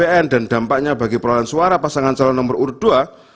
dan memiliki dampaknya bagi perlawanan suara pasangan calon nomor urdua